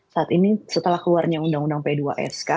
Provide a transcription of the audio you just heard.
saat ini setelah keluarnya undang undang p dua sk